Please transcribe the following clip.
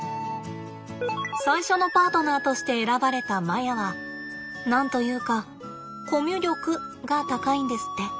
最初のパートナーとして選ばれたマヤは何と言うかコミュ力が高いんですって。